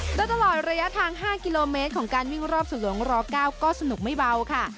กลับมาแล้วตลอดระยะทางห้ากิโลเมตรของการวิ่งรอบสังหวังรอเก้าก็สนุกไม่เบาค่ะ